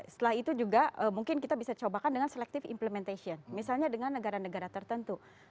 setelah itu juga mungkin kita bisa cobakan dengan selective implementation misalnya dengan negara negara tertentu